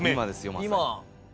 今！